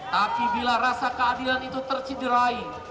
tapi bila rasa keadilan itu tercederai